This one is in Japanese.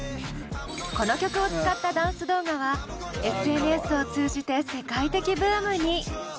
この曲を使ったダンス動画はＳＮＳを通じて世界的ブームに！